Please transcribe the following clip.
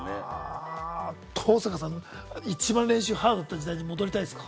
登坂さん、一番練習がハードな時代に戻りたいですか？